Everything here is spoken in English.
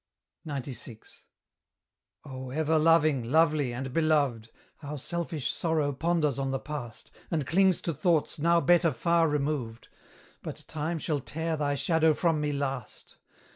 XCVI. Oh! ever loving, lovely, and beloved! How selfish Sorrow ponders on the past, And clings to thoughts now better far removed! But Time shall tear thy shadow from me last.